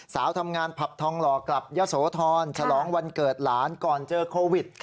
สาวทำงานผับทองหล่อกลับยะโสธรฉลองวันเกิดหลานก่อนเจอโควิด